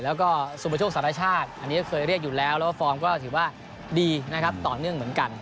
แล้วก็สุประโชคสารชาติอันนี้ก็เคยเรียกอยู่แล้วแล้วฟอร์มก็ถือว่าดีนะครับต่อเนื่องเหมือนกัน